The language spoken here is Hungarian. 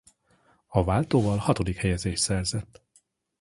A váltóval hatodik helyezést szerzett.